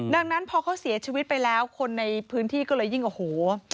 ดังนั้นพอเขาเสียชีวิตไปแล้วคนในพื้นที่ก็เลยยิ่งโอ้โห